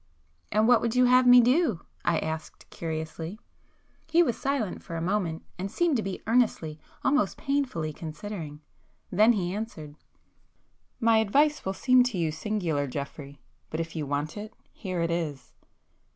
"And what would you have me do?" I asked curiously. He was silent for a moment, and seemed to be earnestly, almost painfully considering,—then he answered,— "My advice will seem to you singular, Geoffrey,—but if you want it, here it is.